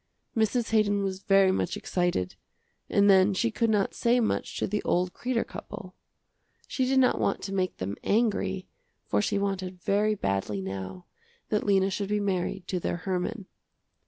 Mrs. Haydon was very much excited, and then she could not say much to the old Kreder couple. She did not want to make them angry, for she wanted very badly now that Lena should be married to their Herman.